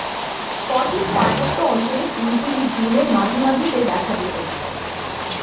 Scottish পার্বত্য অঞ্চলে ফুলগুলি জুনের মাঝামাঝিতে দেখা যেতে পারে।